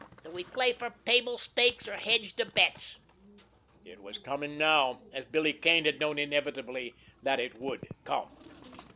Do we play fer table stakes, or hedge de bets?" It was coming now, as Billy Kane had known inevitably that it would come.